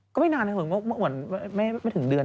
ก็ไม่นานนะเผลอเหมือนไม่ถึงเดือน